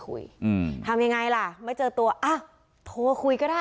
คือยืนยันเลยใช่ไหมพี่ว่าเราไม่ได้